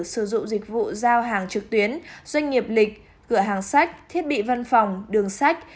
sử dụng dịch vụ giao hàng trực tuyến doanh nghiệp lịch cửa hàng sách thiết bị văn phòng đường sách